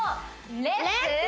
レッツ！